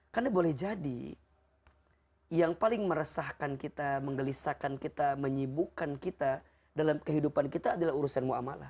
karena boleh jadi yang paling meresahkan kita menggelisahkan kita menyibukkan kita dalam kehidupan kita adalah urusan mu'amalah